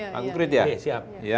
paku kredit ya